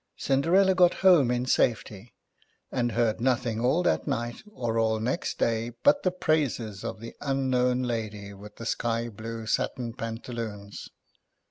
Cinderella got home in safety, and heard nothing all that night, or all next day, but the praises of the unknown lady with the sky blue satin pantaloons.